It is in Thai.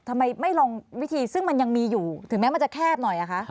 ทำไมไม่ลองวิธีซึ่งมันยังมีอยู่ถึงแม้มันจะแคบหน่อยคะ